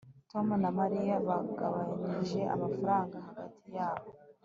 tom na mariya bagabanije amafaranga hagati yabo